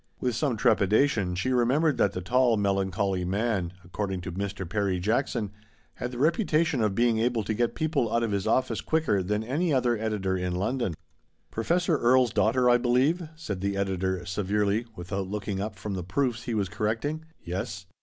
With some trepidation she remem bered that the tall melancholy man, according to Mr. Perry Jackson, had the reputation of being able to get people out of his office quicker than any other editor in London. " Professor Erie's daughter, I believe ?" said the editor severely, without looking up from the proofs he was correcting. "Yes."